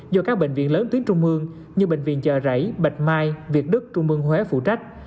do các bệnh viện lớn tuyến trung mương như bệnh viện chợ rẫy bạch mai việt đức trung mương huế phụ trách